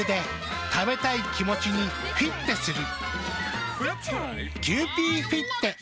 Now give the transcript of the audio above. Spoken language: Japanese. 食べたい気持ちにフィッテする。